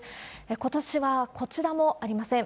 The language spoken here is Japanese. ことしはこちらもありません。